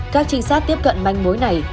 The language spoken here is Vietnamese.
các trinh sát tiếp cận manh mối này